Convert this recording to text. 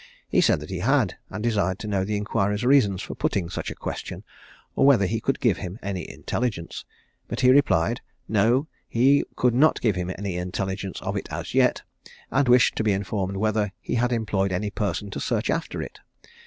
He said that he had, and desired to know the inquirer's reasons for putting such a question, or whether he could give him any intelligence; but he replied, No, he could not give him any intelligence of it as yet, and wished to be informed whether he had employed any person to search after it?